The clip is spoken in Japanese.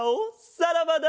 さらばだ！